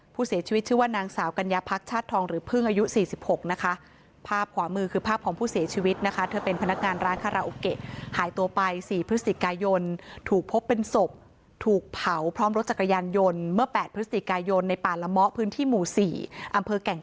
ผู้เสียชีวิตชื่อว่านางสาวกัญญาภักษ์ชาติทองหรือพึ่งอายุ๔๖นะคะ